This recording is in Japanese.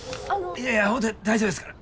いやいやほんとに大丈夫ですから。